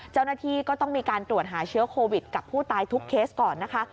เจ้าหน้าที่ก็ต้องมีการตรวจหาเชื้อโควิดกับผู้ตายทุกเคสก่อนนะคะ